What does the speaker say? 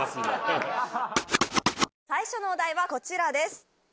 最初のお題はこちらです